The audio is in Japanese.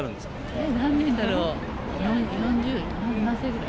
えっ、何年だろう、４０年？